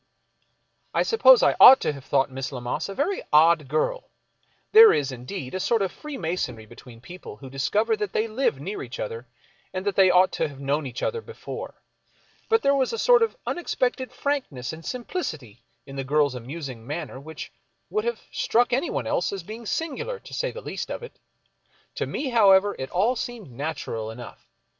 I suppose I ought to have thought Miss Lammas a very odd girl. There is, indeed, a sort of freemasonry between people who discover that they live near each other and that they ought to have known each other before. But there was a sort of unexpected frankness and simplicity in the girl's amusing manner which would have struck anyone else as being singular, to say the least of it. To me, however, it all seemed natural enough.